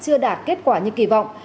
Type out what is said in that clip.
chưa đạt kết quả như kỳ vọng